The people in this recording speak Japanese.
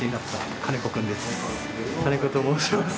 金子と申します。